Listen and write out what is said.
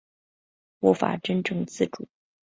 无法真正自主